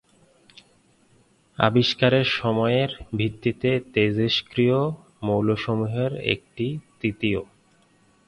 আবিষ্কারের সময়ের ভিত্তিতে তেজস্ক্রিয় মৌলসমূহের এটি তৃতীয়।